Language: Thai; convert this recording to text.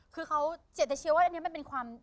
คือเขาเจตนาว่าอันนี้มันเป็นความ